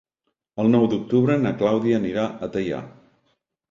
El nou d'octubre na Clàudia anirà a Teià.